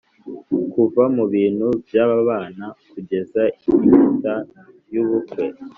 kuva mubintu byabana, kugeza impeta yubukwe;